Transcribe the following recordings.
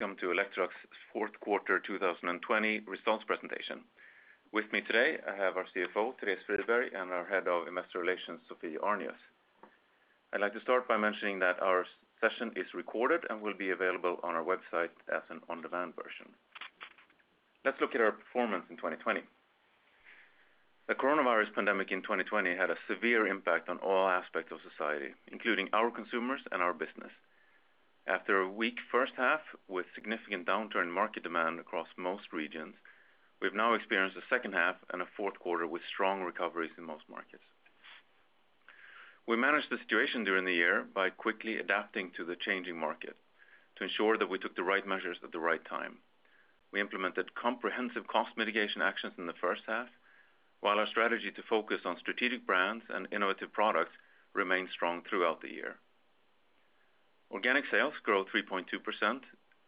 Welcome to Electrolux fourth quarter 2020 results presentation. With me today, I have our CFO, Therese Friberg, and our Head of Investor Relations, Sophie Arnius. I'd like to start by mentioning that our session is recorded and will be available on our website as an on-demand version. Let's look at our performance in 2020. The coronavirus pandemic in 2020 had a severe impact on all aspects of society, including our consumers and our business. After a weak first half with significant downturn in market demand across most regions, we've now experienced the second half and a fourth quarter with strong recoveries in most markets. We managed the situation during the year by quickly adapting to the changing market to ensure that we took the right measures at the right time. We implemented comprehensive cost mitigation actions in the first half, while our strategy to focus on strategic brands and innovative products remained strong throughout the year. Organic sales grew 3.2%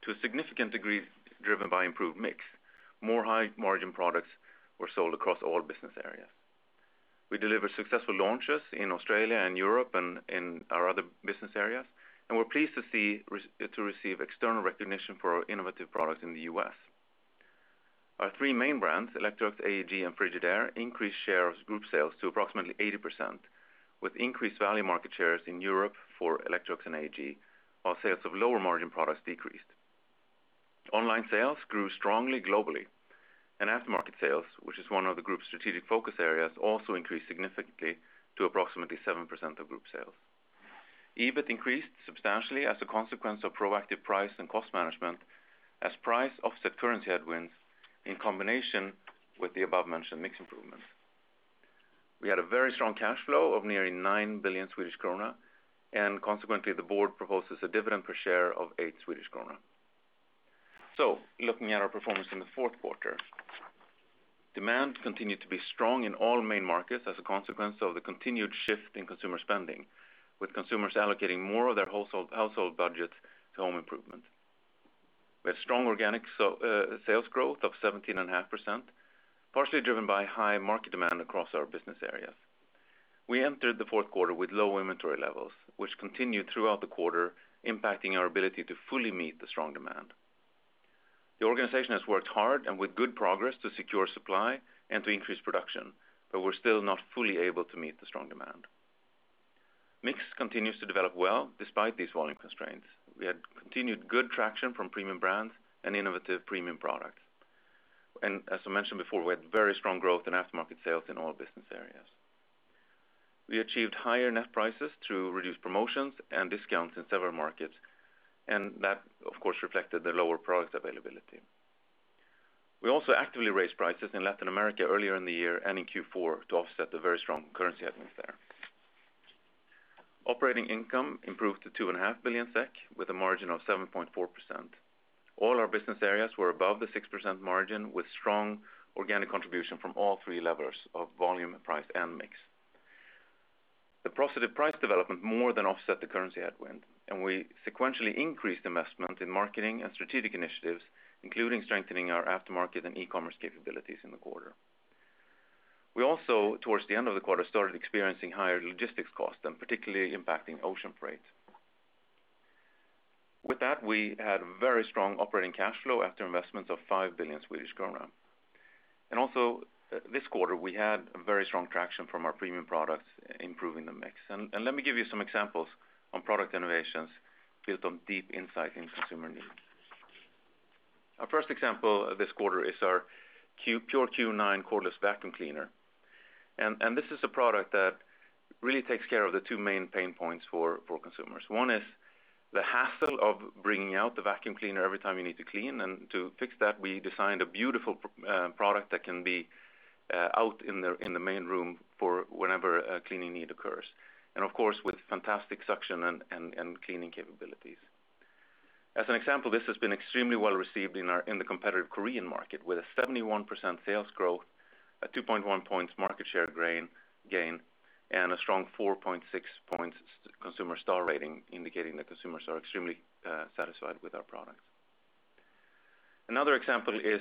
to a significant degree driven by improved mix. More high-margin products were sold across all business areas. We delivered successful launches in Australia and Europe and in our other business areas, and we're pleased to receive external recognition for our innovative products in the U.S. Our three main brands, Electrolux, AEG, and Frigidaire, increased share of group sales to approximately 80%, with increased value market shares in Europe for Electrolux and AEG. Our sales of lower margin products decreased. Online sales grew strongly globally, and aftermarket sales, which is one of the group's strategic focus areas, also increased significantly to approximately 7% of group sales. EBIT increased substantially as a consequence of proactive price and cost management, as price offset currency headwinds in combination with the above-mentioned mix improvements. Consequently, we had a very strong cash flow of nearly 9 billion Swedish krona, and the board proposes a dividend per share of 8 Swedish krona. Looking at our performance in the fourth quarter. Demand continued to be strong in all main markets as a consequence of the continued shift in consumer spending, with consumers allocating more of their household budgets to home improvement. We had strong organic sales growth of 17.5%, partially driven by high market demand across our business areas. We entered the fourth quarter with low inventory levels, which continued throughout the quarter, impacting our ability to fully meet the strong demand. The organization has worked hard and with good progress to secure supply and to increase production, but we're still not fully able to meet the strong demand. Mix continues to develop well despite these volume constraints. We had continued good traction from premium brands and innovative premium products. As I mentioned before, we had very strong growth in aftermarket sales in all business areas. We achieved higher net prices through reduced promotions and discounts in several markets, and that, of course, reflected the lower product availability. We also actively raised prices in Latin America earlier in the year and in Q4 to offset the very strong currency headwinds there. Operating income improved to 2.5 billion SEK, with a margin of 7.4%. All our business areas were above the 6% margin, with strong organic contribution from all three levers of volume, price, and mix. The positive price development more than offset the currency headwind. We sequentially increased investment in marketing and strategic initiatives, including strengthening our aftermarket and e-commerce capabilities in the quarter. We also, towards the end of the quarter, started experiencing higher logistics costs and particularly impacting ocean freight. With that, we had very strong operating cash flow after investments of 5 billion Swedish krona. Also this quarter, we had very strong traction from our premium products, improving the mix. Let me give you some examples on product innovations built on deep insight in consumer needs. Our first example this quarter is our Pure Q9 cordless vacuum cleaner. This is a product that really takes care of the two main pain points for consumers. One is the hassle of bringing out the vacuum cleaner every time you need to clean. To fix that, we designed a beautiful product that can be out in the main room for whenever a cleaning need occurs. Of course, with fantastic suction and cleaning capabilities. As an example, this has been extremely well received in the competitive Korean market with a 71% sales growth, a 2.1 points market share gain, and a strong 4.6 points consumer star rating, indicating that consumers are extremely satisfied with our product. Another example is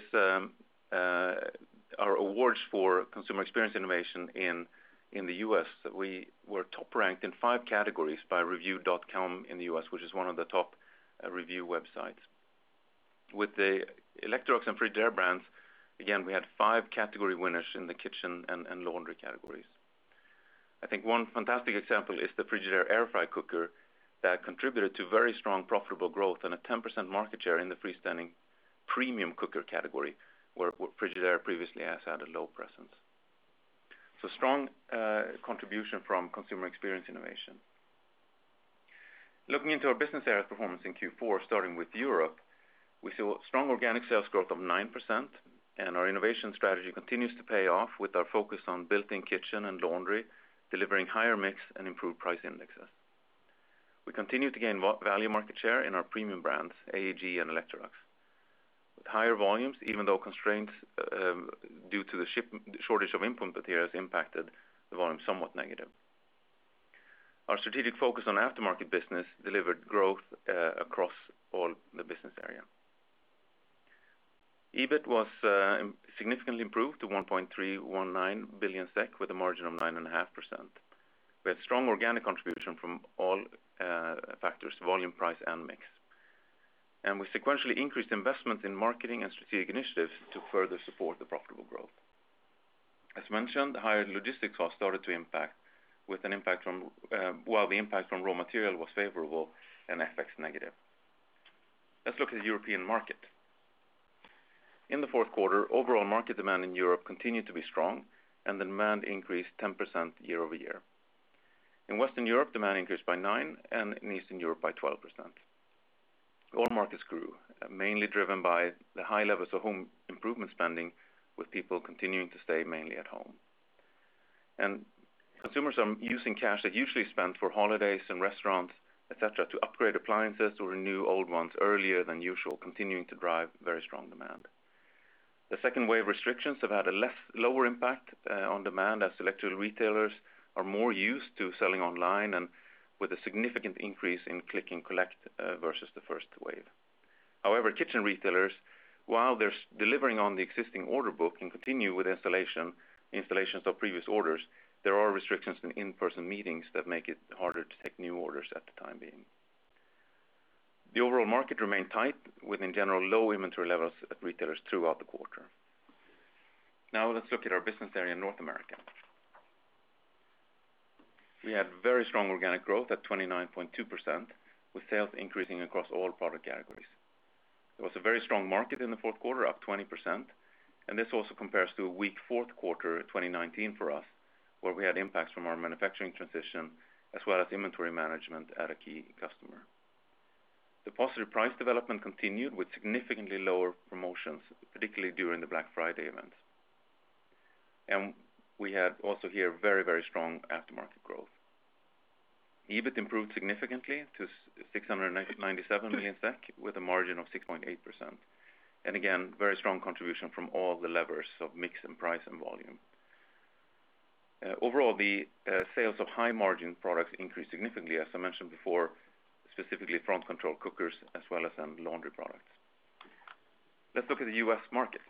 our awards for consumer experience innovation in the U.S. We were top ranked in five categories by Reviewed.com in the U.S., which is one of the top review websites. With the Electrolux and Frigidaire brands, again, we had five category winners in the kitchen and laundry categories. I think one fantastic example is the Frigidaire air fry cooker that contributed to very strong profitable growth and a 10% market share in the freestanding premium cooker category, where Frigidaire previously has had a low presence. Strong contribution from consumer experience innovation. Looking into our business areas performance in Q4, starting with Europe, we saw strong organic sales growth of 9% and our innovation strategy continues to pay off with our focus on built-in kitchen and laundry, delivering higher mix and improved price indexes. We continue to gain value market share in our premium brands, AEG and Electrolux. With higher volumes, even though constraints due to the shortage of input materials impacted the volume somewhat negative. Our strategic focus on aftermarket business delivered growth across all the business areas. EBIT was significantly improved to 1.319 billion SEK with a margin of 9.5%. We had strong organic contribution from all factors, volume, price, and mix. We sequentially increased investment in marketing and strategic initiatives to further support the profitable growth. As mentioned, the higher logistics costs started to impact while the impact from raw material was favorable and FX negative. Let's look at the European market. In the fourth quarter, overall market demand in Europe continued to be strong, and the demand increased 10% year-over-year. In Western Europe, demand increased by 9%, and in Eastern Europe by 12%. All markets grew, mainly driven by the high levels of home improvement spending, with people continuing to stay mainly at home. Consumers are using cash they've usually spent for holidays and restaurants, et cetera, to upgrade appliances or renew old ones earlier than usual, continuing to drive very strong demand. The second wave of restrictions have had a lower impact on demand as electrical retailers are more used to selling online and with a significant increase in click and collect versus the first wave. However, kitchen retailers, while they're delivering on the existing order book and continue with installations of previous orders, there are restrictions in in-person meetings that make it harder to take new orders at the time being. The overall market remained tight, with in general, low inventory levels at retailers throughout the quarter. Now let's look at our business area in North America. We had very strong organic growth at 29.2%, with sales increasing across all product categories. There was a very strong market in the fourth quarter, up 20%, this also compares to a weak fourth quarter 2019 for us, where we had impacts from our manufacturing transition as well as inventory management at a key customer. The positive price development continued with significantly lower promotions, particularly during the Black Friday event. We had also here very strong aftermarket growth. EBIT improved significantly to 697 million SEK with a margin of 6.8%. Again, very strong contribution from all the levers of mix and price and volume. Overall, the sales of high-margin products increased significantly, as I mentioned before, specifically front control cookers as well as laundry products. Let's look at the U.S. market.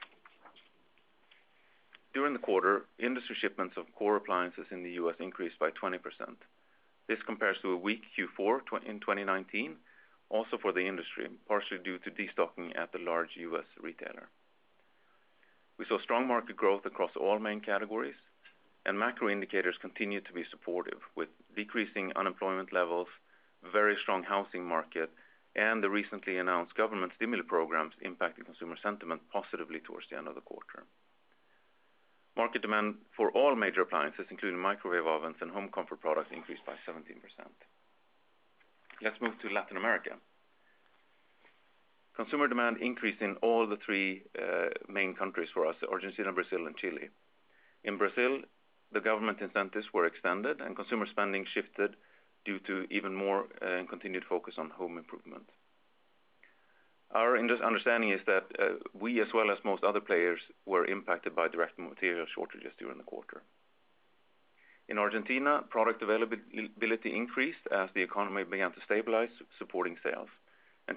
During the quarter, industry shipments of core appliances in the U.S. increased by 20%. This compares to a weak Q4 in 2019, also for the industry, partially due to destocking at the large U.S. retailer. We saw strong market growth across all main categories, and macro indicators continued to be supportive with decreasing unemployment levels, very strong housing market, and the recently announced government stimuli programs impacting consumer sentiment positively towards the end of the quarter. Market demand for all major appliances, including microwave ovens and home comfort products, increased by 17%. Let's move to Latin America. Consumer demand increased in all the three main countries for us, Argentina, Brazil, and Chile. In Brazil, the government incentives were extended, and consumer spending shifted due to even more continued focus on home improvement. Our understanding is that we, as well as most other players, were impacted by direct material shortages during the quarter. In Argentina, product availability increased as the economy began to stabilize, supporting sales.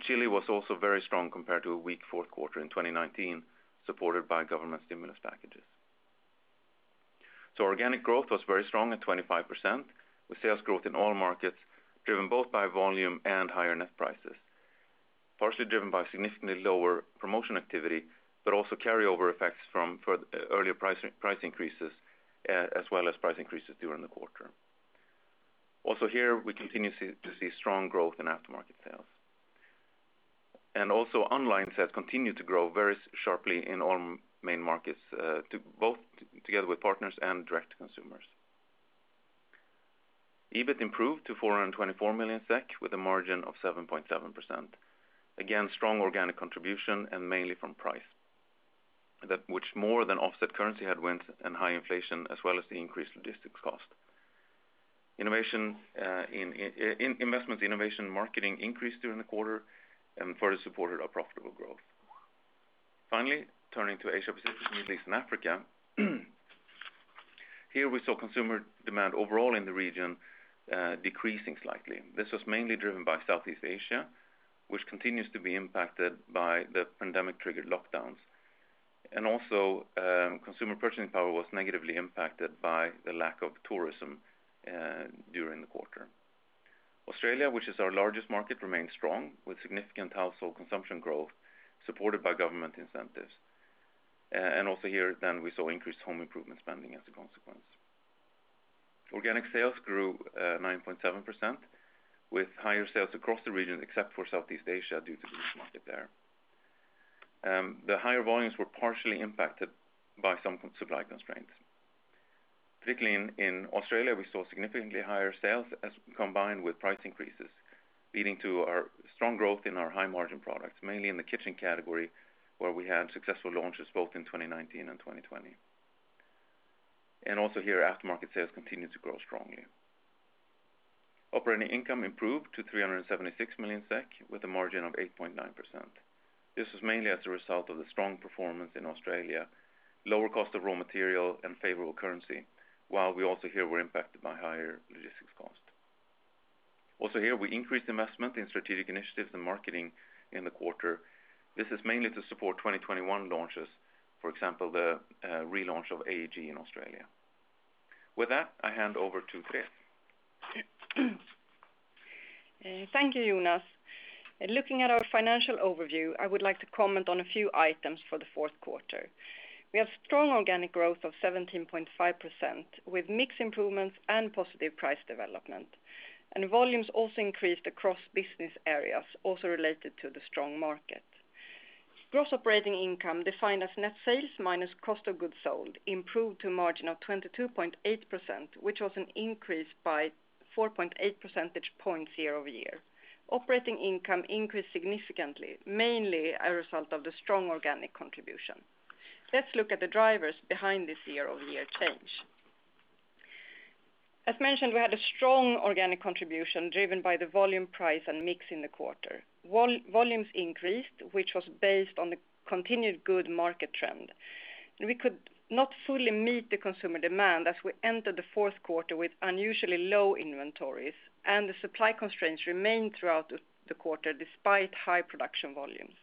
Chile was also very strong compared to a weak fourth quarter in 2019, supported by government stimulus packages. Organic growth was very strong at 25%, with sales growth in all markets driven both by volume and higher net prices, partially driven by significantly lower promotion activity, but also carryover effects from earlier price increases, as well as price increases during the quarter. Here, we continue to see strong growth in aftermarket sales. Online sales continued to grow very sharply in all main markets, both together with partners and direct consumers. EBIT improved to 424 million SEK with a margin of 7.7%. Again, strong organic contribution and mainly from price, which more than offset currency headwinds and high inflation, as well as the increased logistics cost. Investment in innovation marketing increased during the quarter and further supported our profitable growth. Turning to Asia Pacific, Middle East, and Africa. Here we saw consumer demand overall in the region decreasing slightly. This was mainly driven by Southeast Asia, which continues to be impacted by the pandemic-triggered lockdowns. Consumer purchasing power was negatively impacted by the lack of tourism during the quarter. Australia, which is our largest market, remained strong, with significant household consumption growth supported by government incentives. Here, we saw increased home improvement spending as a consequence. Organic sales grew 9.7% with higher sales across the region, except for Southeast Asia due to the weak market there. The higher volumes were partially impacted by some supply constraints. Particularly in Australia, we saw significantly higher sales as combined with price increases, leading to our strong growth in our high-margin products, mainly in the kitchen category, where we had successful launches both in 2019 and 2020. Also here, aftermarket sales continued to grow strongly. Operating income improved to 376 million SEK with a margin of 8.9%. This was mainly as a result of the strong performance in Australia, lower cost of raw material, and favorable currency, while we also here were impacted by higher logistics cost. Also here, we increased investment in strategic initiatives and marketing in the quarter. This is mainly to support 2021 launches, for example, the relaunch of AEG in Australia. With that, I hand over to Therese. Thank you, Jonas. Looking at our financial overview, I would like to comment on a few items for the fourth quarter. We have strong organic growth of 17.5% with mix improvements and positive price development, and volumes also increased across business areas, also related to the strong market. Gross operating income defined as net sales minus cost of goods sold improved to a margin of 22.8%, which was an increase by 4.8 percentage points year-over-year. operating income increased significantly, mainly a result of the strong organic contribution. Let's look at the drivers behind this year-over-year change. As mentioned, we had a strong organic contribution driven by the volume price and mix in the quarter. Volumes increased, which was based on the continued good market trend. We could not fully meet the consumer demand as we entered the fourth quarter with unusually low inventories, the supply constraints remained throughout the quarter despite high production volumes.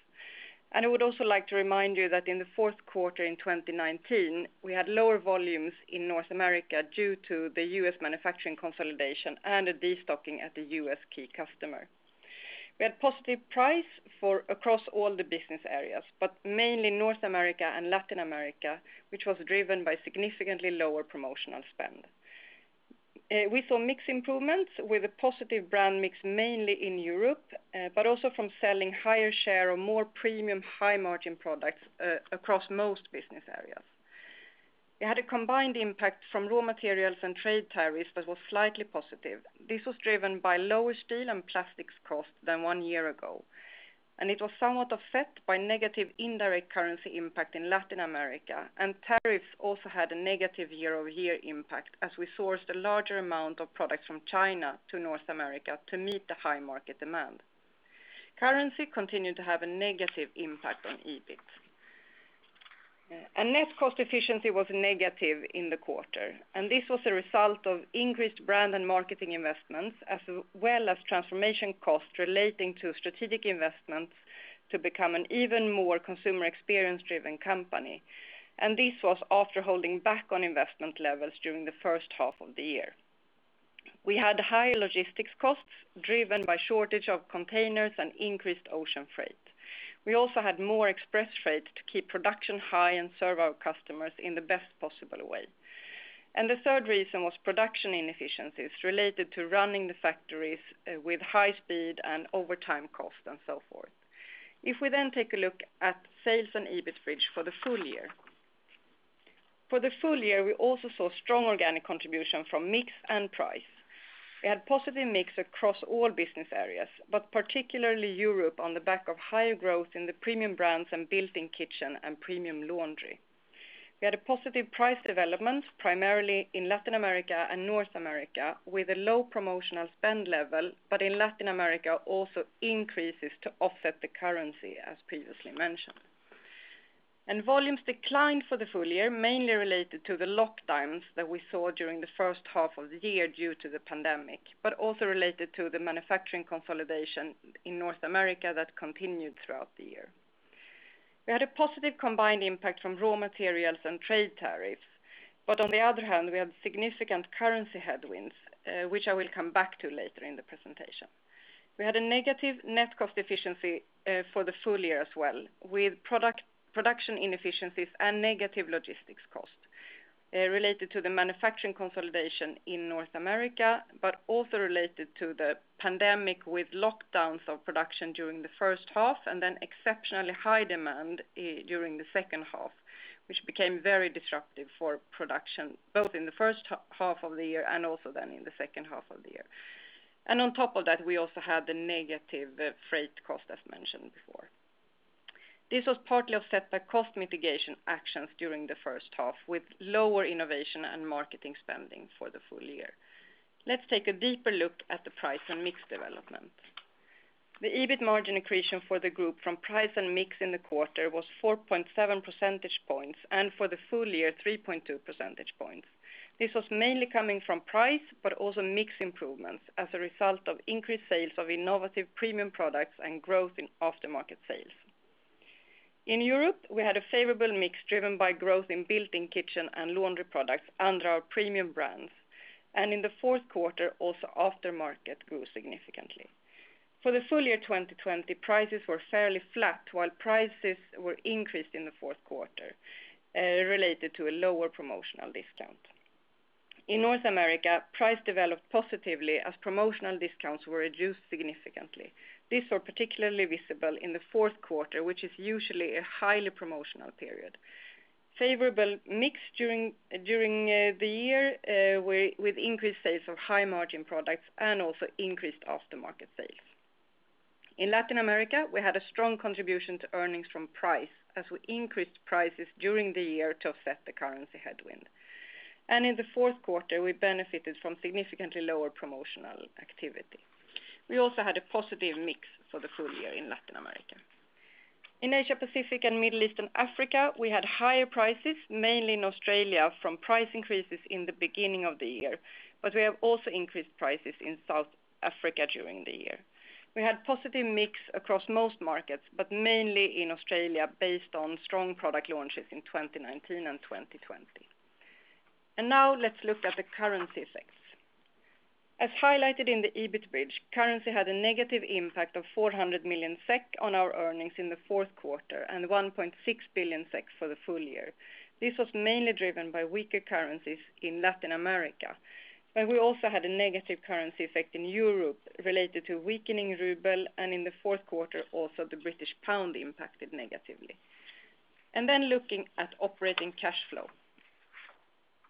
I would also like to remind you that in the fourth quarter in 2019, we had lower volumes in North America due to the U.S. manufacturing consolidation and a destocking at the U.S. key customer. We had positive price for across all the business areas, but mainly North America and Latin America, which was driven by significantly lower promotional spend. We saw mix improvements with a positive brand mix, mainly in Europe, but also from selling higher share of more premium high margin products across most business areas. We had a combined impact from raw materials and trade tariffs that was slightly positive. This was driven by lower steel and plastics cost than one year ago, and it was somewhat offset by negative indirect currency impact in Latin America, and tariffs also had a negative year-over-year impact as we sourced a larger amount of products from China to North America to meet the high market demand. Currency continued to have a negative impact on EBIT. Net cost efficiency was negative in the quarter, and this was a result of increased brand and marketing investments, as well as transformation costs relating to strategic investments to become an even more consumer experience driven company. This was after holding back on investment levels during the first half of the year. We had higher logistics costs driven by shortage of containers and increased ocean freight. We also had more express freight to keep production high and serve our customers in the best possible way. The third reason was production inefficiencies related to running the factories with high speed and overtime cost and so forth. If we take a look at sales and EBIT bridge for the full year. For the full year, we also saw strong organic contribution from mix and price. We had positive mix across all business areas, but particularly Europe on the back of higher growth in the premium brands and built-in kitchen and premium laundry. We had a positive price development primarily in Latin America and North America with a low promotional spend level, but in Latin America also increases to offset the currency as previously mentioned. Volumes declined for the full year, mainly related to the lockdowns that we saw during the first half of the year due to the pandemic, but also related to the manufacturing consolidation in North America that continued throughout the year. We had a positive combined impact from raw materials and trade tariffs, but on the other hand, we had significant currency headwinds, which I will come back to later in the presentation. We had a negative net cost efficiency for the full year as well, with production inefficiencies and negative logistics cost related to the manufacturing consolidation in North America, but also related to the pandemic with lockdowns of production during the first half and then exceptionally high demand during the second half, which became very disruptive for production both in the first half of the year and also then in the second half of the year. On top of that, we also had the negative freight cost as mentioned before. This was partly offset by cost mitigation actions during the first half with lower innovation and marketing spending for the full year. Let's take a deeper look at the price and mix development. The EBIT margin accretion for the group from price and mix in the quarter was 4.7 percentage points, and for the full year, 3.2 percentage points. This was mainly coming from price, but also mix improvements as a result of increased sales of innovative premium products and growth in aftermarket sales. In Europe, we had a favorable mix driven by growth in built-in kitchen and laundry products under our premium brands, and in the fourth quarter, also aftermarket grew significantly. For the full year 2020, prices were fairly flat while prices were increased in the fourth quarter related to a lower promotional discount. In North America, price developed positively as promotional discounts were reduced significantly. These were particularly visible in the fourth quarter, which is usually a highly promotional period. Favorable mix during the year with increased sales of high margin products and also increased aftermarket sales. In Latin America, we had a strong contribution to earnings from price as we increased prices during the year to offset the currency headwind. In the fourth quarter, we benefited from significantly lower promotional activity. We also had a positive mix for the full year in Latin America. In Asia-Pacific and Middle East and Africa, we had higher prices, mainly in Australia from price increases in the beginning of the year, but we have also increased prices in South Africa during the year. We had positive mix across most markets, but mainly in Australia based on strong product launches in 2019 and 2020. Now let's look at the currency effects. As highlighted in the EBIT bridge, currency had a negative impact of 400 million SEK on our earnings in the fourth quarter and 1.6 billion SEK for the full year. This was mainly driven by weaker currencies in Latin America, but we also had a negative currency effect in Europe related to weakening ruble, and in the fourth quarter, also the British pound impacted negatively. Looking at operating cash flow.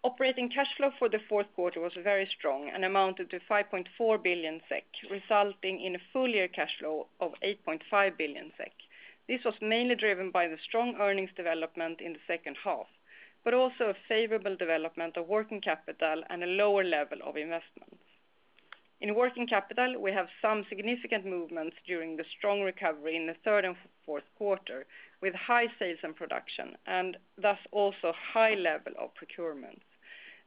Operating cash flow for the fourth quarter was very strong and amounted to 5.4 billion SEK, resulting in a full-year cash flow of 8.5 billion SEK. This was mainly driven by the strong earnings development in the second half, but also a favorable development of working capital and a lower level of investments. In working capital, we have some significant movements during the strong recovery in the third and fourth quarter with high sales and production, and thus also high level of procurement.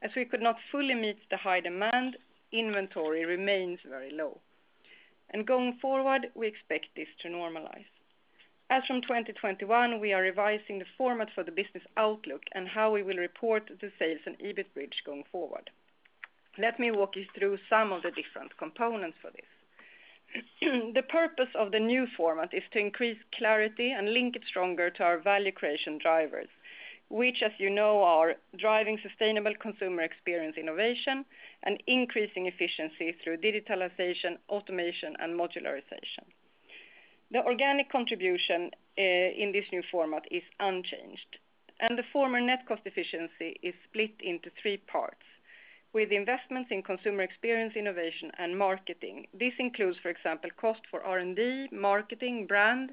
As we could not fully meet the high demand, inventory remains very low. Going forward, we expect this to normalize. As from 2021, we are revising the format for the business outlook and how we will report the sales and EBIT bridge going forward. Let me walk you through some of the different components for this. The purpose of the new format is to increase clarity and link it stronger to our value creation drivers, which as you know are driving sustainable consumer experience innovation, and increasing efficiency through digitalization, automation, and modularization. The organic contribution in this new format is unchanged, and the former net cost efficiency is split into three parts. With investments in consumer experience, innovation and marketing. This includes, for example, cost for R&D, marketing, brand,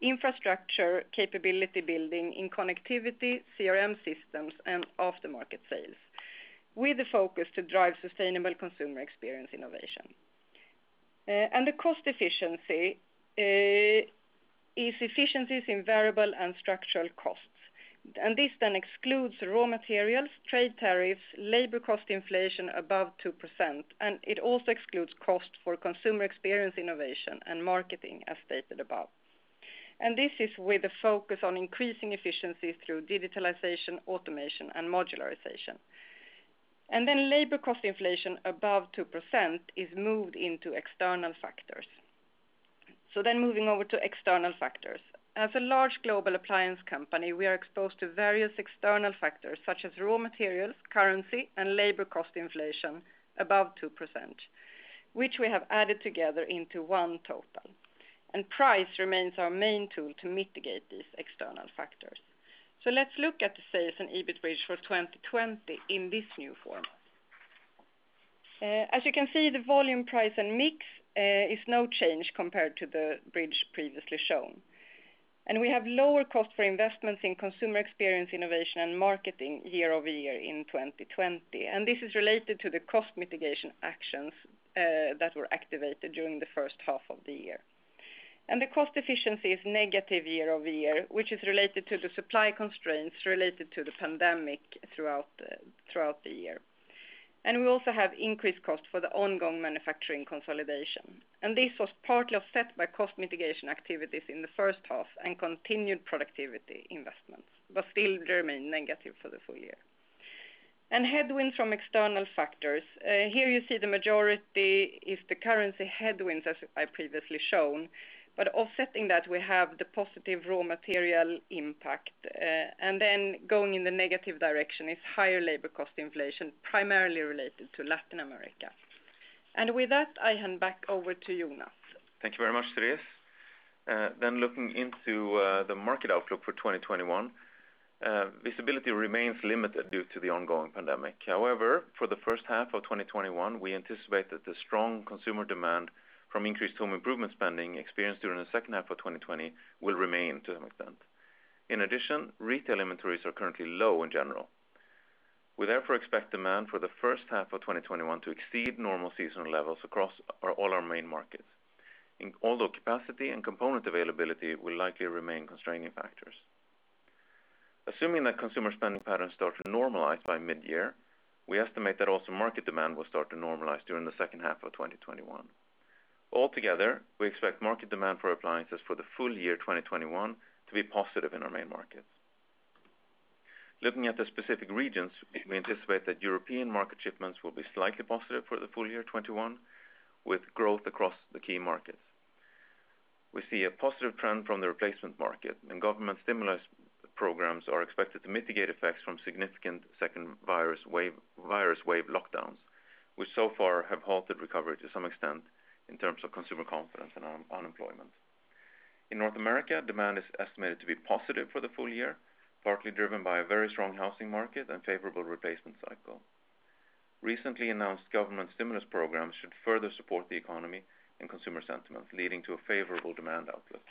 infrastructure, capability building in connectivity, CRM systems, and aftermarket sales, with the focus to drive sustainable consumer experience innovation. The cost efficiency is efficiencies in variable and structural costs. This excludes raw materials, trade tariffs, labor cost inflation above 2%, and it also excludes cost for consumer experience innovation and marketing, as stated above. This is with a focus on increasing efficiency through digitalization, automation, and modularization. Labor cost inflation above 2% is moved into external factors. Moving over to external factors. As a large global appliance company, we are exposed to various external factors such as raw materials, currency, and labor cost inflation above 2%, which we have added together into one total, and price remains our main tool to mitigate these external factors. Let's look at the sales and EBIT bridge for 2020 in this new format. As you can see, the volume price and mix is no change compared to the bridge previously shown. We have lower cost for investments in consumer experience, innovation and marketing year-over-year in 2020. This is related to the cost mitigation actions that were activated during the first half of the year. The cost efficiency is negative year-over-year, which is related to the supply constraints related to the pandemic throughout the year. We also have increased cost for the ongoing manufacturing consolidation. This was partly offset by cost mitigation activities in the first half and continued productivity investments, but still remain negative for the full year. Headwinds from external factors, here you see the majority is the currency headwinds, as I previously shown, but offsetting that we have the positive raw material impact. And then going in the negative direction is higher labor cost inflation, primarily related to Latin America. With that, I hand back over to Jonas. Thank you very much, Therese. Looking into the market outlook for 2021. Visibility remains limited due to the ongoing pandemic. However, for the first half of 2021, we anticipate that the strong consumer demand from increased home improvement spending experienced during the second half of 2020 will remain to some extent. In addition, retail inventories are currently low in general. We therefore expect demand for the first half of 2021 to exceed normal seasonal levels across all our main markets. Although capacity and component availability will likely remain constraining factors. Assuming that consumer spending patterns start to normalize by mid-year, we estimate that also market demand will start to normalize during the second half of 2021. Altogether, we expect market demand for appliances for the full year 2021 to be positive in our main markets. Looking at the specific regions, we anticipate that European market shipments will be slightly positive for the full year 2021, with growth across the key markets. We see a positive trend from the replacement market. Government stimulus programs are expected to mitigate effects from significant second virus wave lockdowns, which so far have halted recovery to some extent in terms of consumer confidence and unemployment. In North America, demand is estimated to be positive for the full year, partly driven by a very strong housing market and favorable replacement cycle. Recently announced government stimulus programs should further support the economy and consumer sentiment, leading to a favorable demand outlook.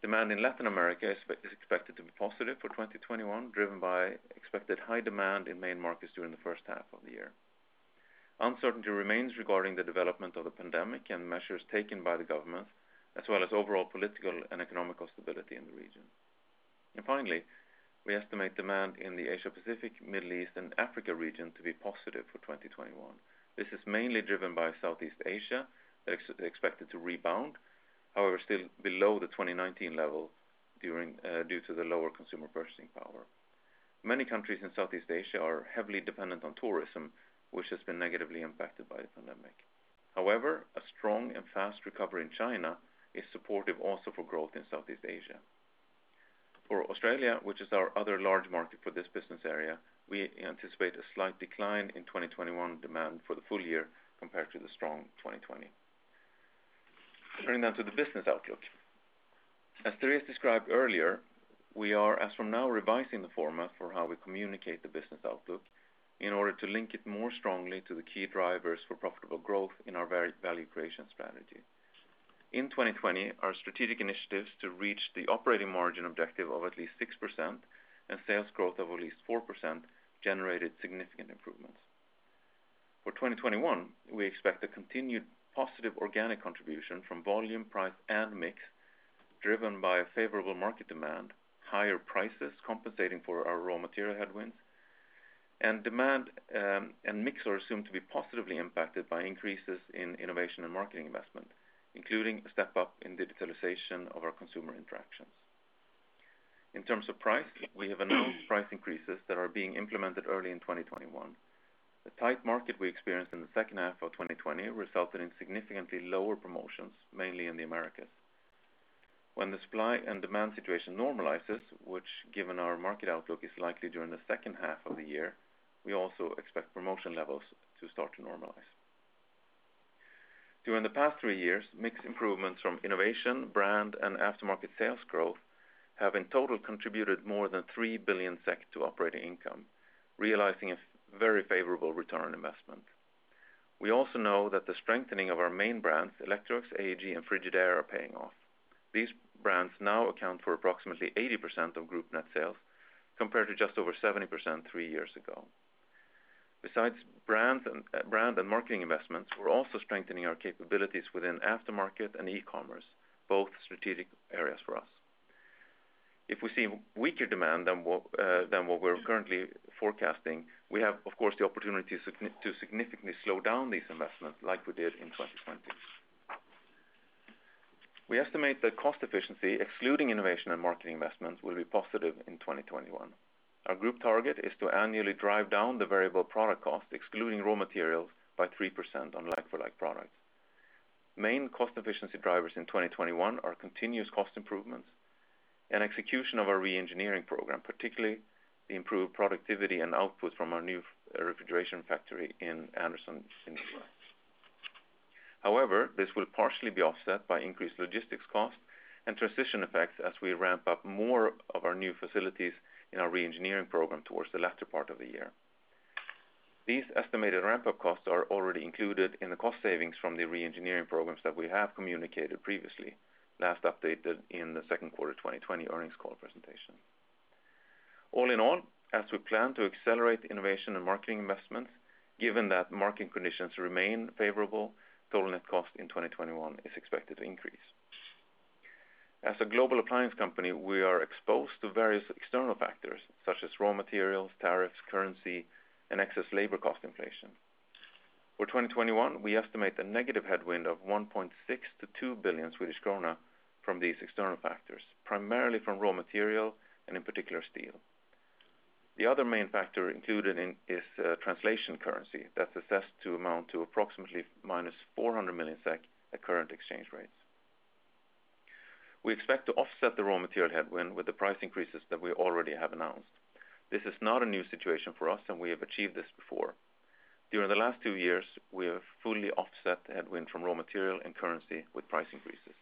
Demand in Latin America is expected to be positive for 2021, driven by expected high demand in main markets during the first half of the year. Uncertainty remains regarding the development of the pandemic and measures taken by the governments, as well as overall political and economic stability in the region. Finally, we estimate demand in the Asia-Pacific, Middle East, and Africa region to be positive for 2021. This is mainly driven by Southeast Asia, that is expected to rebound. However, still below the 2019 level due to the lower consumer purchasing power. Many countries in Southeast Asia are heavily dependent on tourism, which has been negatively impacted by the pandemic. However, a strong and fast recovery in China is supportive also for growth in Southeast Asia. For Australia, which is our other large market for this business area, we anticipate a slight decline in 2021 demand for the full year compared to the strong 2020. Turning now to the business outlook. As Therese described earlier, we are as from now revising the format for how we communicate the business outlook in order to link it more strongly to the key drivers for profitable growth in our Value Creation Strategy. In 2020, our strategic initiatives to reach the operating margin objective of at least 6% and sales growth of at least 4% generated significant improvements. For 2021, we expect a continued positive organic contribution from volume, price, and mix driven by a favorable market demand, higher prices compensating for our raw material headwinds, and demand and mix are assumed to be positively impacted by increases in innovation and marketing investment, including a step-up in digitalization of our consumer interactions. In terms of price, we have announced price increases that are being implemented early in 2021. The tight market we experienced in the second half of 2020 resulted in significantly lower promotions, mainly in the Americas. When the supply and demand situation normalizes, which, given our market outlook, is likely during the second half of the year, we also expect promotion levels to start to normalize. During the past three years, mix improvements from innovation, brand, and aftermarket sales growth have in total contributed more than 3 billion SEK to operating income, realizing a very favorable return on investment. We also know that the strengthening of our main brands, Electrolux, AEG, and Frigidaire, are paying off. These brands now account for approximately 80% of group net sales, compared to just over 70% three years ago. Besides brand and marketing investments, we're also strengthening our capabilities within aftermarket and e-commerce, both strategic areas for us. If we see weaker demand than what we're currently forecasting, we have, of course, the opportunity to significantly slow down these investments like we did in 2020. We estimate that cost efficiency, excluding innovation and marketing investments, will be positive in 2021. Our group target is to annually drive down the variable product cost, excluding raw materials, by 3% on like-for-like products. Main cost efficiency drivers in 2021 are continuous cost improvements and execution of our re-engineering program, particularly the improved productivity and output from our new refrigeration factory in Anderson, South Carolina. This will partially be offset by increased logistics costs and transition effects as we ramp up more of our new facilities in our re-engineering program towards the latter part of the year. These estimated ramp-up costs are already included in the cost savings from the re-engineering programs that we have communicated previously, last updated in the second quarter 2020 earnings call presentation. As we plan to accelerate innovation and marketing investments, given that marketing conditions remain favorable, total net cost in 2021 is expected to increase. As a global appliance company, we are exposed to various external factors such as raw materials, tariffs, currency, and excess labor cost inflation. For 2021, we estimate a negative headwind of 1.6 billion-2 billion Swedish krona from these external factors, primarily from raw material and in particular, steel. The other main factor included is translation currency that's assessed to amount to approximately minus 400 million SEK at current exchange rates. We expect to offset the raw material headwind with the price increases that we already have announced. This is not a new situation for us. We have achieved this before. During the last two years, we have fully offset the headwind from raw material and currency with price increases.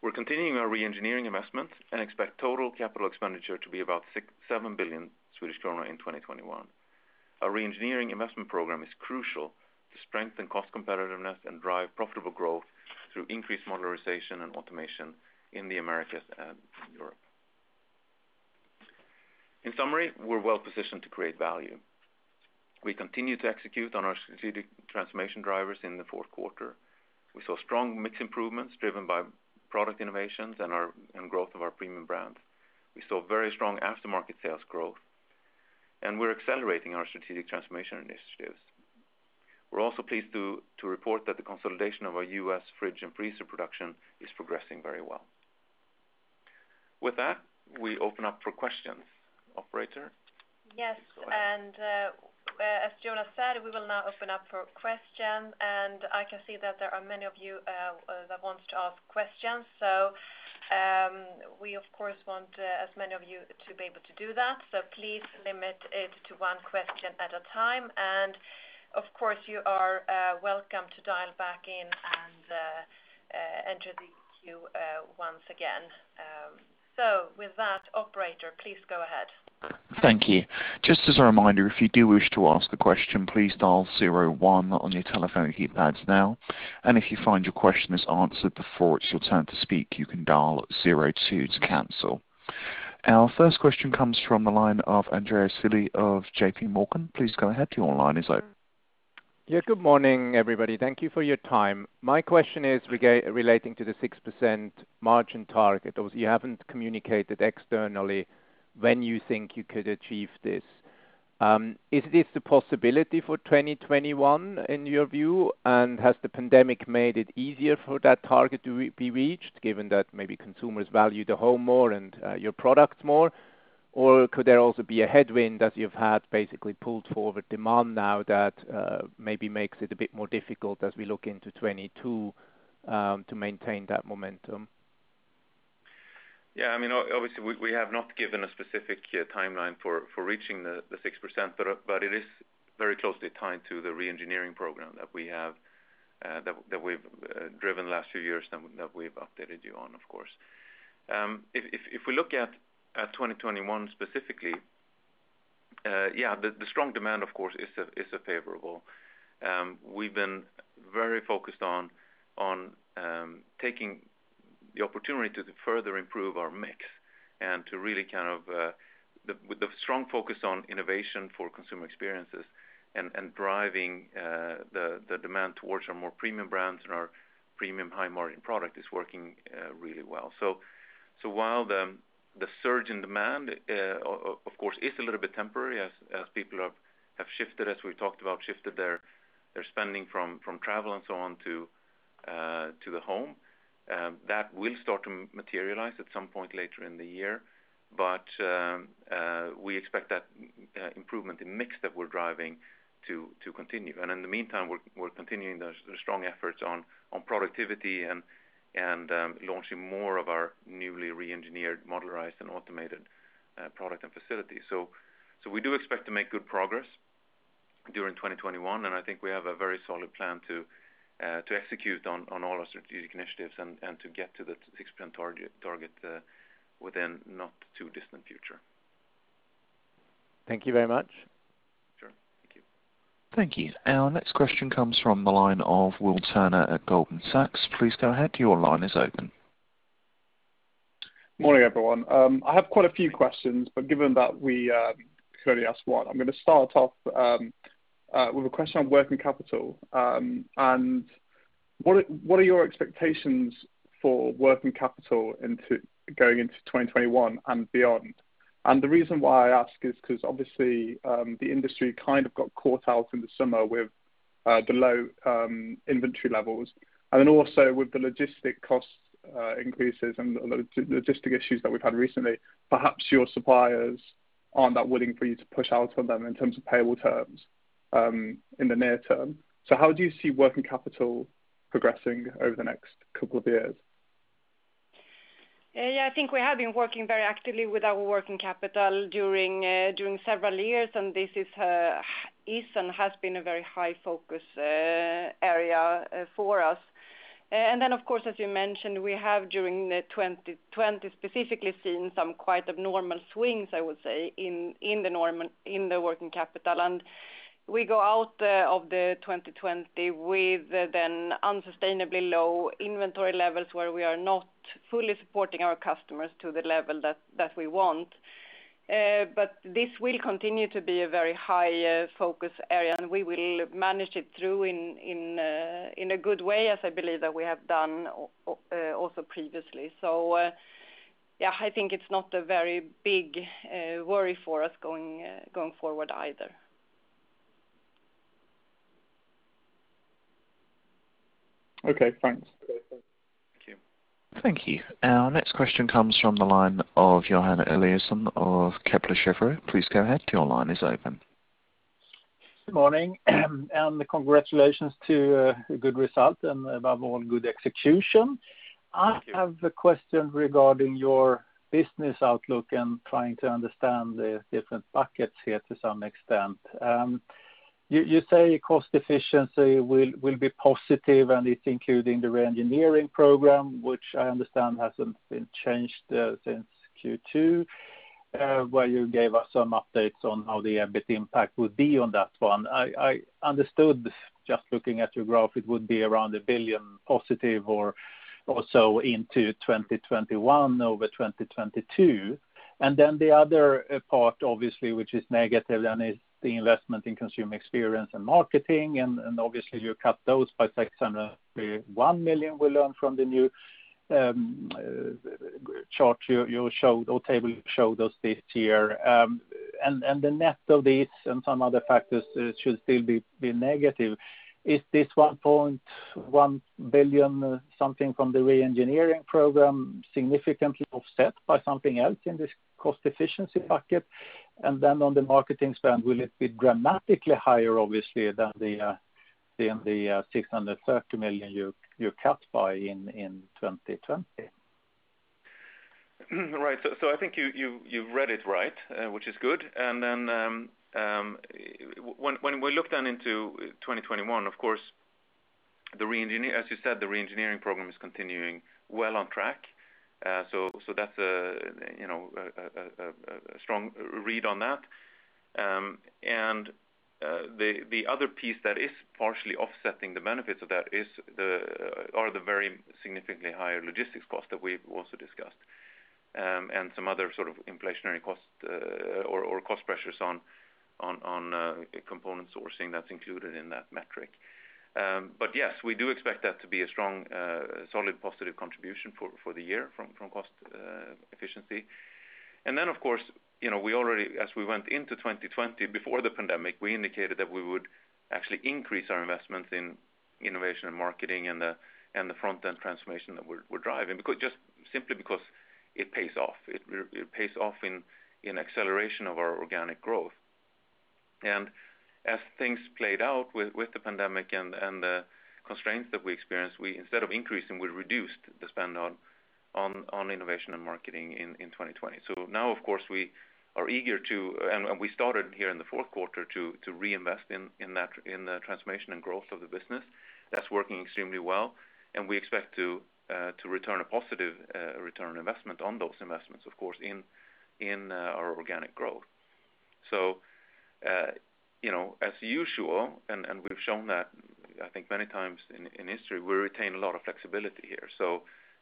We're continuing our re-engineering investment and expect total capital expenditure to be about 7 billion Swedish krona in 2021. Our re-engineering investment program is crucial to strengthen cost competitiveness and drive profitable growth through increased modularization and automation in the Americas and Europe. In summary, we're well-positioned to create value. We continue to execute on our strategic transformation drivers in the fourth quarter. We saw strong mix improvements driven by product innovations and growth of our premium brands. We saw very strong aftermarket sales growth, and we're accelerating our strategic transformation initiatives. We're also pleased to report that the consolidation of our U.S. fridge and freezer production is progressing very well. With that, we open up for questions. Operator, go ahead. Yes, as Jonas said, we will now open up for questions, and I can see that there are many of you that want to ask questions, so, we of course want as many of you to be able to do that, so please limit it to one question at a time. Of course, you are welcome to dial back in and enter the queue once again. With that, operator, please go ahead. Thank you. Just as a reminder, if you do wish to ask a question, please dial zero one on your telephone keypads now, and if you find your question is answered before it's your turn to speak, you can dial zero two to cancel. Our first question comes from the line of Andres Sevi of JPMorgan. Please go ahead, your line is open. Yeah. Good morning, everybody. Thank you for your time. My question is relating to the 6% margin target, obviously you haven't communicated externally when you think you could achieve this. Is this a possibility for 2021 in your view? Has the pandemic made it easier for that target to be reached, given that maybe consumers value the home more and your products more? Could there also be a headwind as you've had basically pulled forward demand now that maybe makes it a bit more difficult as we look into 2022 to maintain that momentum? Yeah, obviously we have not given a specific timeline for reaching the 6%, but it is very closely tied to the re-engineering program that we've driven the last few years that we've updated you on, of course. If we look at 2021 specifically, yeah, the strong demand of course is favorable. We've been very focused on taking the opportunity to further improve our mix and with the strong focus on innovation for consumer experiences and driving the demand towards our more premium brands and our premium high margin product is working really well. While the surge in demand, of course, is a little bit temporary as people have shifted, as we've talked about, shifted their spending from travel and so on to the home. That will start to materialize at some point later in the year. We expect that improvement in mix that we're driving to continue. In the meantime, we're continuing the strong efforts on productivity and launching more of our newly re-engineered modularized and automated product and facilities. We do expect to make good progress during 2021, and I think we have a very solid plan to execute on all our strategic initiatives and to get to the 6% target within not too distant future. Thank you very much. Sure. Thank you. Thank you. Our next question comes from the line of Will Turner at Goldman Sachs. Please go ahead. Your line is open. Morning, everyone. I have quite a few questions, but given that we could only ask one, I'm going to start off with a question on working capital. What are your expectations for working capital going into 2021 and beyond? The reason why I ask is because obviously, the industry kind of got caught out in the summer with the low inventory levels. Also with the logistic cost increases and the logistic issues that we've had recently, perhaps your suppliers aren't that willing for you to push out on them in terms of payable terms, in the near term. How do you see working capital progressing over the next couple of years? I think we have been working very actively with our working capital during several years, and this is and has been a very high focus area for us. Of course, as you mentioned, we have during the 2020 specifically seen some quite abnormal swings, I would say in the working capital. We go out of the 2020 with then unsustainably low inventory levels where we are not fully supporting our customers to the level that we want. This will continue to be a very high focus area, and we will manage it through in a good way, as I believe that we have done also previously. I think it's not a very big worry for us going forward either. Okay, thanks. Thank you. Thank you. Our next question comes from the line of Johan Eliason of Kepler Cheuvreux. Please go ahead. Your line is open. Good morning. Congratulations to a good result and above all, good execution. Thank you. I have a question regarding your business outlook and trying to understand the different buckets here to some extent. You say cost efficiency will be positive, it's including the re-engineering program, which I understand hasn't been changed since Q2, where you gave us some updates on how the EBIT impact would be on that one. I understood just looking at your graph, it would be around 1 billion positive or so into 2021 over 2022. The other part obviously which is negative then is the investment in consumer experience and marketing, and obviously you cut those by 601 million we learn from the new chart you showed or table you showed us this year. The net of this and some other factors should still be negative. Is this 1.1 billion something from the re-engineering program significantly offset by something else in this cost efficiency bucket? On the marketing spend, will it be dramatically higher, obviously, than the 630 million you cut by in 2020? Right. I think you read it right, which is good. When we look then into 2021, of course, as you said, the re-engineering program is continuing well on track. That's a strong read on that. And the other piece that is partially offsetting the benefits of that are the very significantly higher logistics costs that we've also discussed, and some other sort of inflationary costs or cost pressures on component sourcing that's included in that metric. Yes, we do expect that to be a strong, solid, positive contribution for the year from cost efficiency. Of course, as we went into 2020 before the pandemic, we indicated that we would actually increase our investment in innovation and marketing and the front-end transformation that we're driving, just simply because it pays off. It pays off in acceleration of our organic growth. As things played out with the pandemic and the constraints that we experienced, instead of increasing, we reduced the spend on innovation and marketing in 2020. Now, of course, we are eager to, and we started here in the fourth quarter to reinvest in the transformation and growth of the business. That's working extremely well, and we expect to return a positive return on investment on those investments, of course, in our organic growth. As usual, and we've shown that, I think many times in history, we retain a lot of flexibility here.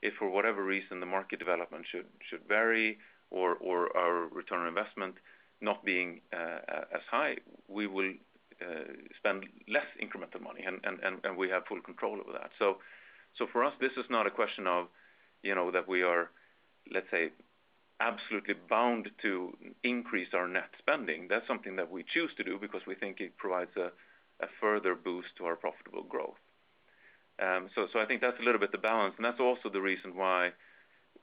If for whatever reason the market development should vary or our return on investment not being as high, we will spend less incremental money, and we have full control over that. For us, this is not a question of that we are, let's say, absolutely bound to increase our net spending. That's something that we choose to do because we think it provides a further boost to our profitable growth. I think that's a little bit the balance, and that's also the reason why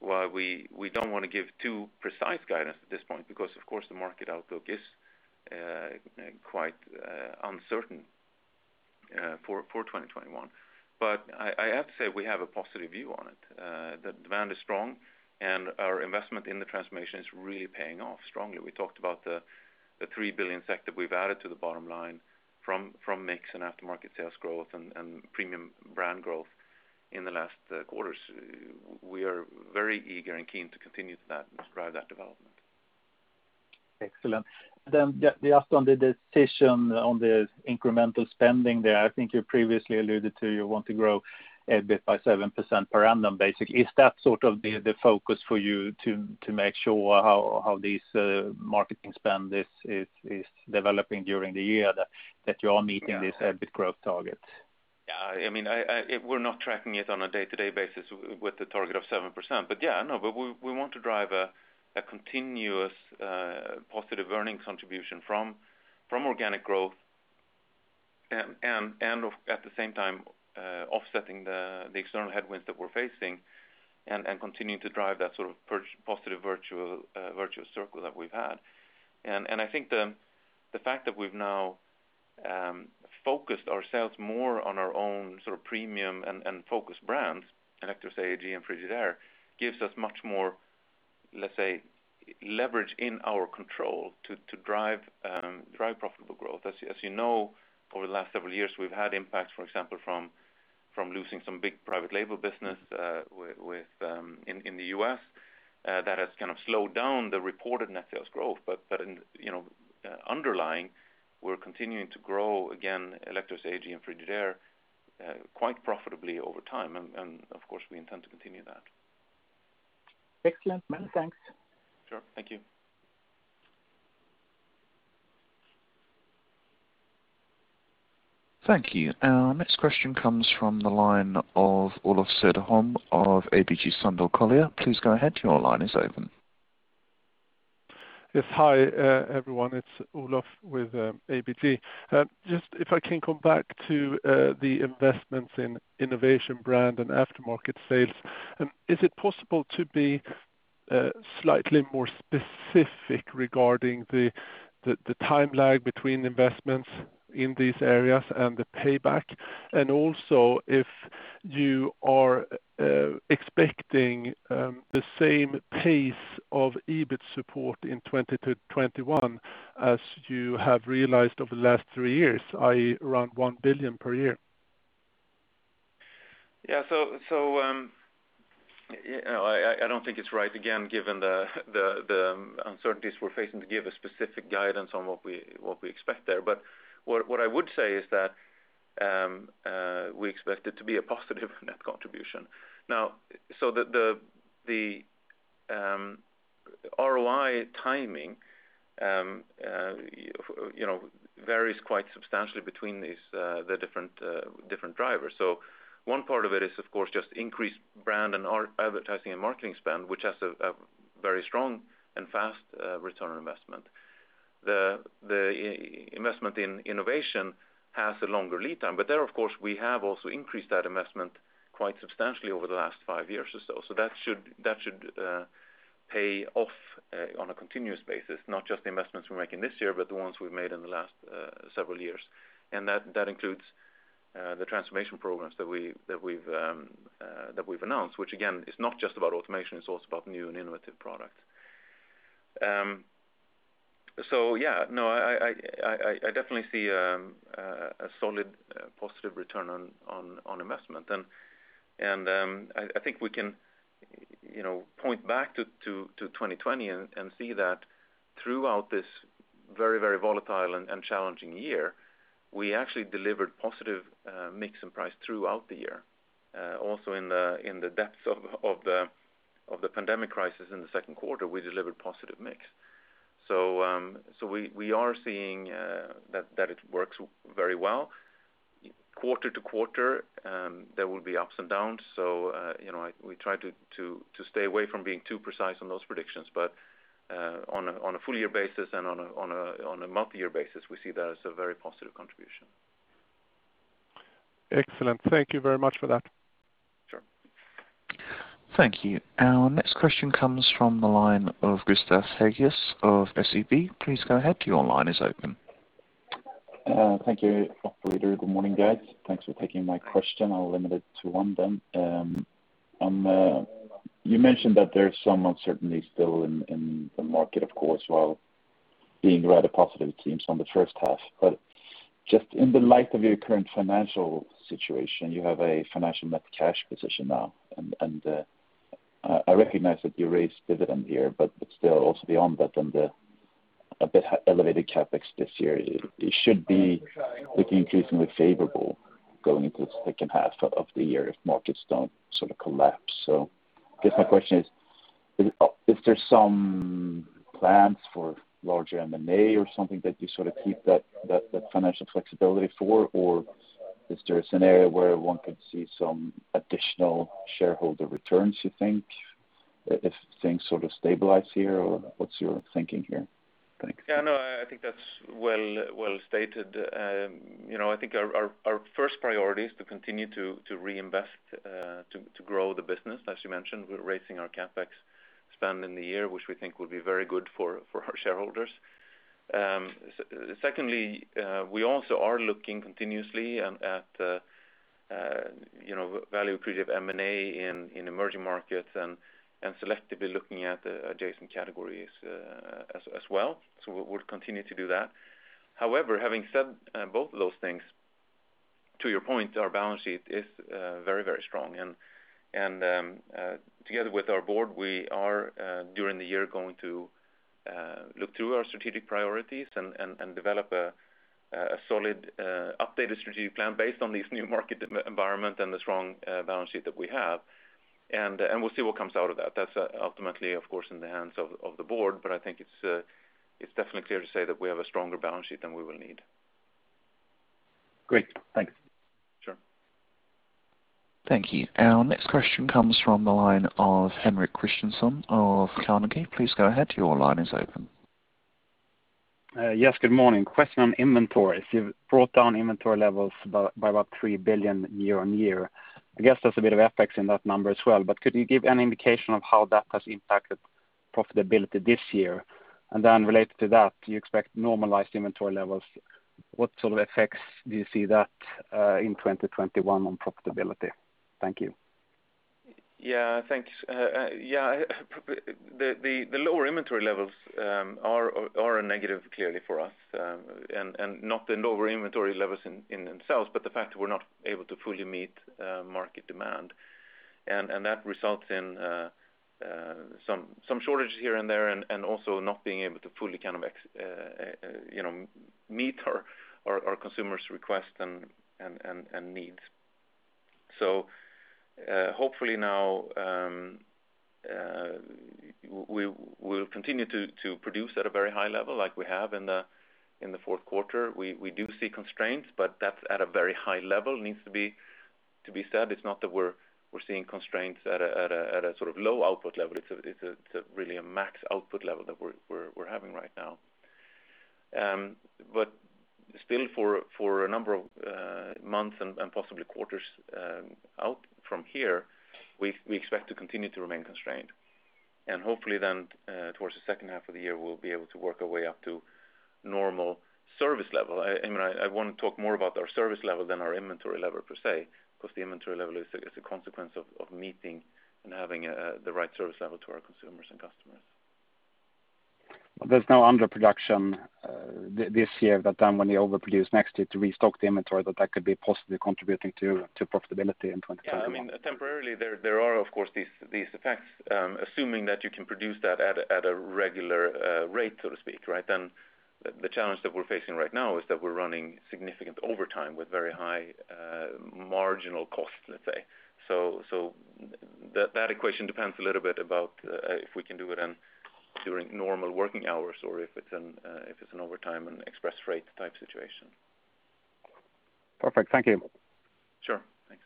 we don't want to give too precise guidance at this point because, of course, the market outlook is quite uncertain for 2021. I have to say, we have a positive view on it. The demand is strong, and our investment in the transformation is really paying off strongly. We talked about the 3 billion that we've added to the bottom line from mix and aftermarket sales growth and premium brand growth in the last quarters. We are very eager and keen to continue that and drive that development. Excellent. Just on the decision on the incremental spending there, I think you previously alluded to you want to grow EBIT by 7% per annum, basically. Is that sort of the focus for you to make sure how this marketing spend is developing during the year? Yeah this EBIT growth target? We're not tracking it on a day-to-day basis with the target of 7%. We want to drive a continuous positive earning contribution from organic growth and at the same time offsetting the external headwinds that we're facing and continuing to drive that sort of positive virtuous circle that we've had. I think the fact that we've now focused ourselves more on our own sort of premium and focused brands, Electrolux, AEG, and Frigidaire, gives us much more, let's say, leverage in our control to drive profitable growth. As you know, over the last several years, we've had impacts, for example, from losing some big private label business in the U.S. that has kind of slowed down the reported net sales growth. Underlying, we're continuing to grow again, Electrolux, AEG, and Frigidaire quite profitably over time, and of course, we intend to continue that. Excellent. Many thanks. Sure. Thank you. Thank you. Our next question comes from the line of Olof Cederholm of ABG Sundal Collier. Yes. Hi, everyone. It's Olof with ABG. Just if I can come back to the investments in innovation, brand, and aftermarket sales, is it possible to be slightly more specific regarding the time lag between investments in these areas and the payback? Also, if you are expecting the same pace of EBIT support in 2021 as you have realized over the last three years, i.e., around 1 billion per year? Yeah. I don't think it's right, again, given the uncertainties we're facing, to give a specific guidance on what we expect there. What I would say is that we expect it to be a positive net contribution. The ROI timing varies quite substantially between the different drivers. One part of it is, of course, just increased brand and our advertising and marketing spend, which has a very strong and fast return on investment. The investment in innovation has a longer lead time. There, of course, we have also increased that investment quite substantially over the last five years or so. That should pay off on a continuous basis, not just the investments we're making this year, but the ones we've made in the last several years. That includes the transformation programs that we've announced, which again, is not just about automation, it's also about new and innovative products. Yeah. I definitely see a solid positive return on investment. I think we can, you know, point back to 2020 and see that throughout this very, very volatile and challenging year, we actually delivered positive mix and price throughout the year. Also in the depths of the pandemic crisis in the second quarter, we delivered positive mix. We are seeing that it works very well. Quarter-to-quarter, there will be ups and downs, we try to stay away from being too precise on those predictions. On a full year basis and on a multi-year basis, we see that as a very positive contribution. Excellent. Thank you very much for that. Sure. Thank you. Our next question comes from the line of Gustav Hagéus of SEB. Please go ahead, your line is open. Thank you, operator. Good morning, guys. Thanks for taking my question. I'll limit it to one then. You mentioned that there's some uncertainty still in the market, of course, while being rather positive teams on the first half. Just in the light of your current financial situation, you have a financial net cash position now, and I recognize that you raised dividend here, but still also beyond that and a bit elevated CapEx this year, it should be looking increasingly favorable going into the second half of the year if markets don't sort of collapse. I guess my question is there some plans for larger M&A or something that you sort of keep that financial flexibility for? Is there a scenario where one could see some additional shareholder returns, you think, if things sort of stabilize here, or what's your thinking here? Thanks. Yeah, no, I think that's well stated. I think our first priority is to continue to reinvest to grow the business. As you mentioned, we're raising our CapEx spend in the year, which we think will be very good for our shareholders. Secondly, we also are looking continuously at value accretive M&A in emerging markets and selectively looking at adjacent categories as well. We'll continue to do that. However, having said both of those things, to your point, our balance sheet is very, very strong. Together with our board, we are during the year going to look through our strategic priorities and develop a solid updated strategic plan based on these new market environment and the strong balance sheet that we have. We'll see what comes out of that. That's ultimately, of course, in the hands of the board, but I think it's definitely fair to say that we have a stronger balance sheet than we will need. Great. Thanks. Sure. Thank you. Our next question comes from the line of Henrik Christiansson of Carnegie. Please go ahead. Your line is open. Yes, good morning. Question on inventory. You've brought down inventory levels by about 3 billion year-on-year. I guess there's a bit of FX in that number as well, but could you give any indication of how that has impacted profitability this year? Then related to that, do you expect normalized inventory levels? What sort of effects do you see that in 2021 on profitability? Thank you. Yeah, thanks. The lower inventory levels are a negative clearly for us. Not the lower inventory levels in themselves, but the fact that we're not able to fully meet market demand. That results in some shortages here and there, and also not being able to fully kind of meet our consumers' requests and needs. Hopefully now we'll continue to produce at a very high level like we have in the fourth quarter. We do see constraints, but that's at a very high level, needs to be said. It's not that we're seeing constraints at a sort of low output level. It's really a max output level that we're having right now. Still for a number of months and possibly quarters out from here, we expect to continue to remain constrained. Hopefully then towards the second half of the year, we'll be able to work our way up to normal service level. I want to talk more about our service level than our inventory level per se, because the inventory level is a consequence of meeting and having the right service level to our consumers and customers. There's no underproduction this year, but then when you overproduce next year to restock the inventory, that that could be possibly contributing to profitability in 2021. Yeah, temporarily there are, of course, these effects, assuming that you can produce that at a regular rate, so to speak, right? The challenge that we're facing right now is that we're running significant overtime with very high marginal cost, let's say. That equation depends a little bit about if we can do it during normal working hours or if it's an overtime and express rate type situation. Perfect. Thank you. Sure. Thanks.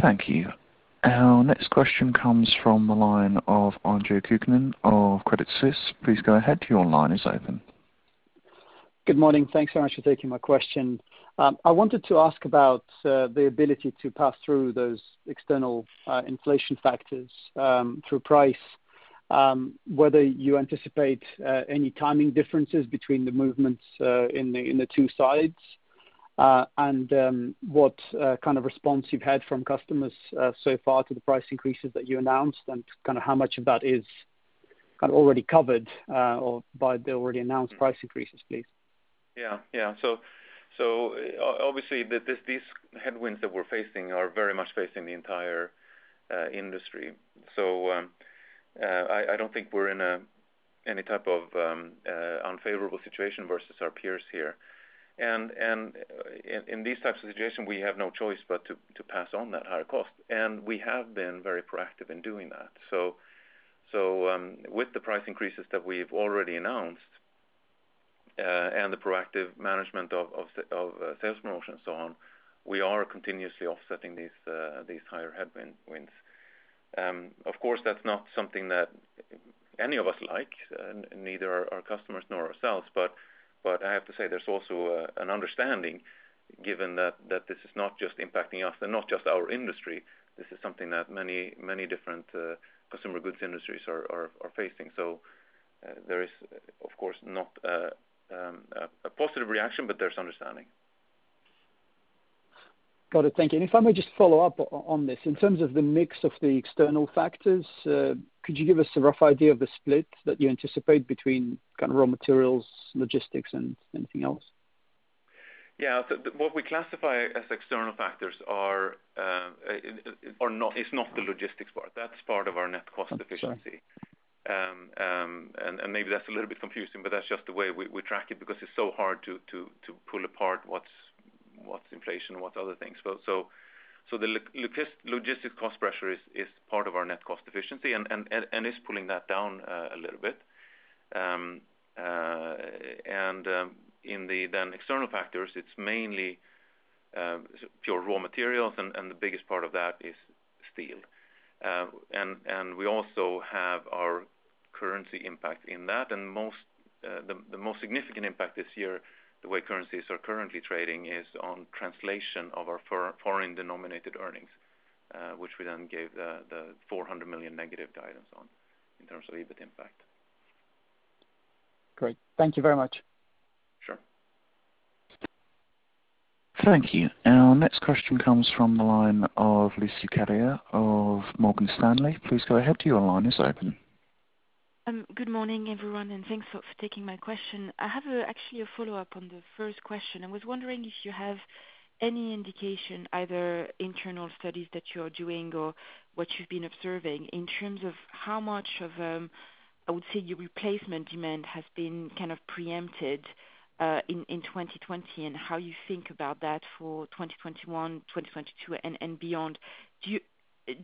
Thank you. Our next question comes from the line of Andre Kukhnin of Credit Suisse. Please go ahead. Your line is open. Good morning. Thanks so much for taking my question. I wanted to ask about the ability to pass through those external inflation factors through price, whether you anticipate any timing differences between the movements in the two sides, and what kind of response you've had from customers so far to the price increases that you announced, and kind of how much of that is already covered by the already announced price increases, please? Yeah. Obviously these headwinds that we are facing are very much facing the entire industry. I do not think we are in any type of unfavorable situation versus our peers here. In these types of situations, we have no choice but to pass on that higher cost. We have been very proactive in doing that. With the price increases that we have already announced, and the proactive management of sales promotions and so on, we are continuously offsetting these higher headwinds. Of course, that is not something that any of us like, neither our customers nor ourselves, but I have to say, there is also an understanding given that this is not just impacting us and not just our industry. This is something that many different consumer goods industries are facing. There is, of course, not a positive reaction, but there is understanding. Got it. Thank you. If I may just follow up on this, in terms of the mix of the external factors, could you give us a rough idea of the split that you anticipate between kind of raw materials, logistics, and anything else? What we classify as external factors is not the logistics part. That's part of our net cost efficiency. Sorry. Maybe that's a little bit confusing, but that's just the way we track it because it's so hard to pull apart what's inflation and what's other things. The logistics cost pressure is part of our net cost efficiency and is pulling that down a little bit. In the external factors, it's mainly pure raw materials, and the biggest part of that is steel. We also have our currency impact in that. The most significant impact this year, the way currencies are currently trading, is on translation of our foreign denominated earnings, which we then gave the 400 million negative guidance on in terms of EBIT impact. Great. Thank you very much. Sure. Thank you. Our next question comes from the line of Lucie Carrier of Morgan Stanley. Please go ahead. Your line is open. Good morning, everyone, thanks for taking my question. I have actually a follow-up on the first question. I was wondering if you have any indication, either internal studies that you're doing or what you've been observing in terms of how much of, I would say, your replacement demand has been kind of preempted in 2020, and how you think about that for 2021, 2022, and beyond. Do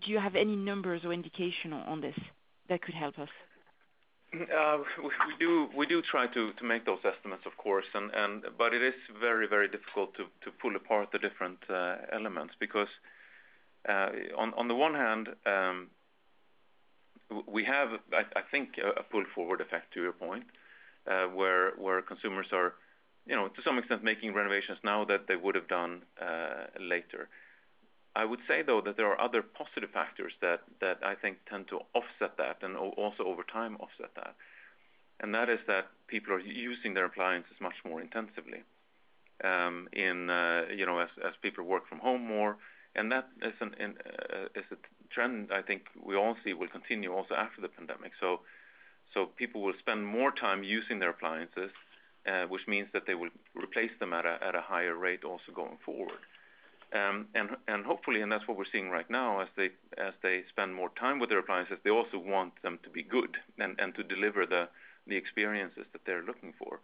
you have any numbers or indication on this that could help us? We do try to make those estimates, of course, but it is very difficult to pull apart the different elements because on the one hand, we have, I think, a pull forward effect to your point, where consumers are to some extent making renovations now that they would have done later. I would say, though, that there are other positive factors that I think tend to offset that, and also over time offset that. That is that people are using their appliances much more intensively as people work from home more, and that is a trend I think we all see will continue also after the pandemic. People will spend more time using their appliances, which means that they will replace them at a higher rate also going forward. Hopefully, and that's what we're seeing right now, as they spend more time with their appliances, they also want them to be good and to deliver the experiences that they're looking for.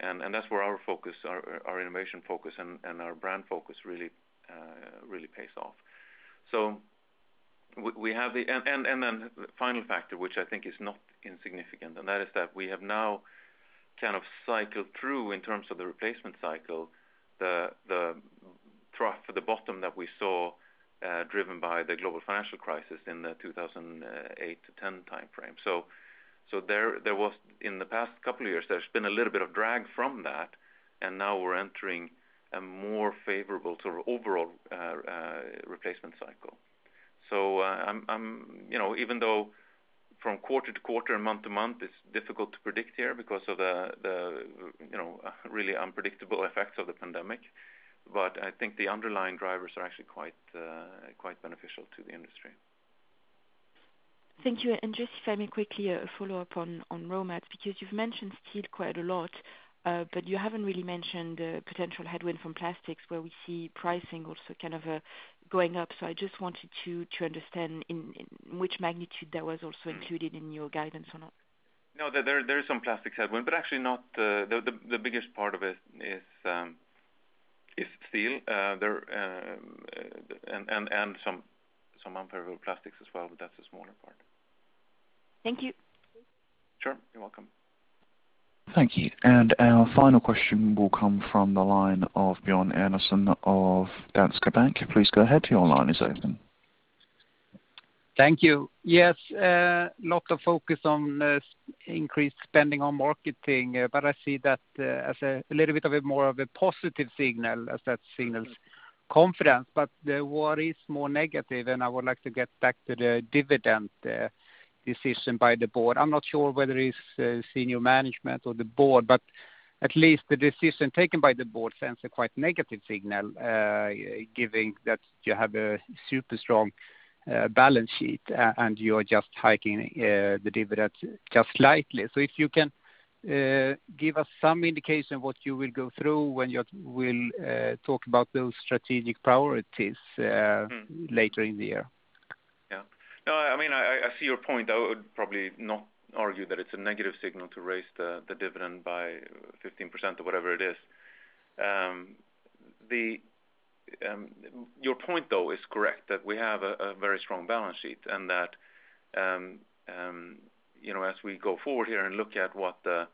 That's where our innovation focus and our brand focus really pays off. Then the final factor, which I think is not insignificant, and that is that we have now kind of cycled through in terms of the replacement cycle, the trough or the bottom that we saw driven by the global financial crisis in the 2008 to 2010 timeframe. There was in the past couple of years, there's been a little bit of drag from that, and now we're entering a more favorable sort of overall replacement cycle. Even though from quarter-to-quarter and month-to-month, it's difficult to predict here because of the really unpredictable effects of the pandemic, but I think the underlying drivers are actually quite beneficial to the industry. Thank you. Just if I may quickly a follow-up on raw materials, because you've mentioned steel quite a lot, but you haven't really mentioned potential headwind from plastics where we see pricing also kind of going up. I just wanted to understand in which magnitude that was also included in your guidance or not. No, there is some plastic headwind, but actually the biggest part of it is steel, and some unfavorable plastics as well, but that's a smaller part. Thank you. Sure. You're welcome. Thank you. Our final question will come from the line of Björn Enarson of Danske Bank. Please go ahead. Your line is open. Thank you. Yes, lot of focus on increased spending on marketing, I see that as a little bit of a more of a positive signal, as that signals confidence. What is more negative, I would like to get back to the dividend decision by the board. I'm not sure whether it's senior management or the board, at least the decision taken by the board sends a quite negative signal, given that you have a super strong-balance sheet, you are just hiking the dividend just slightly. If you can give us some indication of what you will go through when you will talk about those strategic priorities later in the year. Yeah. No, I see your point, though. I would probably not argue that it's a negative signal to raise the dividend by 15% or whatever it is. Your point, though, is correct, that we have a very strong balance sheet, and that as we go forward here and look at what the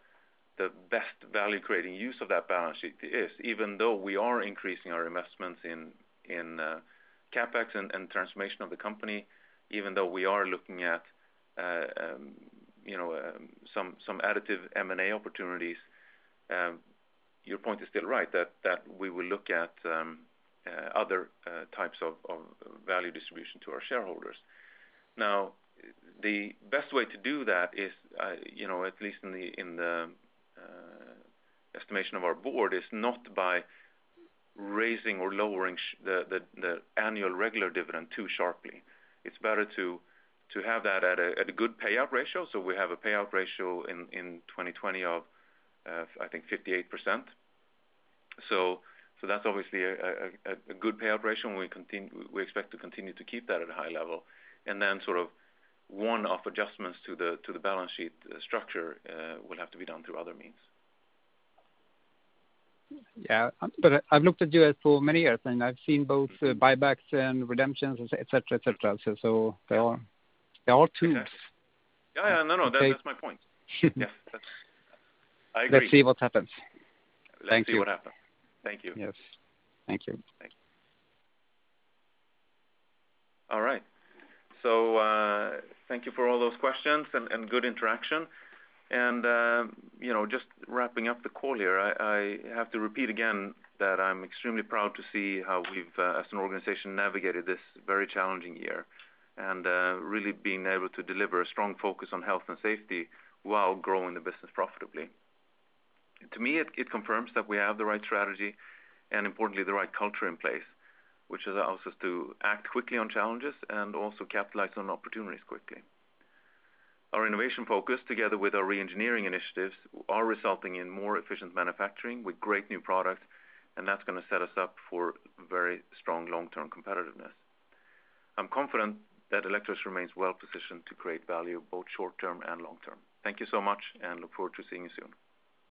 best value-creating use of that balance sheet is, even though we are increasing our investments in CapEx and transformation of the company, even though we are looking at some additive M&A opportunities, your point is still right, that we will look at other types of value distribution to our shareholders. Now, the best way to do that is, at least in the estimation of our board, is not by raising or lowering the annual regular dividend too sharply. It's better to have that at a good payout ratio. We have a payout ratio in 2020 of, I think, 58%. That's obviously a good payout ratio, and we expect to continue to keep that at a high level. One-off adjustments to the balance sheet structure will have to be done through other means. Yeah. I've looked at you for many years, and I've seen both buybacks and redemptions, et cetera. There are tools. Yeah. No, that's my point. Yeah. I agree. Let's see what happens. Thank you. Let's see what happens. Thank you. Yes. Thank you. Thank you. All right. Thank you for all those questions and good interaction. Just wrapping up the call here, I have to repeat again that I'm extremely proud to see how we've, as an organization, navigated this very challenging year, and really being able to deliver a strong focus on health and safety while growing the business profitably. To me, it confirms that we have the right strategy and importantly, the right culture in place, which allows us to act quickly on challenges and also capitalize on opportunities quickly. Our innovation focus, together with our re-engineering initiatives, are resulting in more efficient manufacturing with great new products, and that's going to set us up for very strong long-term competitiveness. I'm confident that Electrolux remains well-positioned to create value both short-term and long-term. Thank you so much, and look forward to seeing you soon.